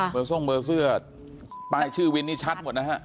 ทรงเบอร์เสื้อป้ายชื่อวินนี่ชัดหมดนะฮะ